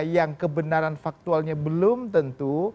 yang kebenaran faktualnya belum tentu